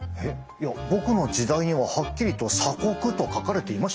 いや僕の時代にははっきりと「鎖国」と書かれていましたよ！